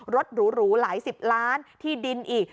หรูหลายสิบล้านที่ดินอีก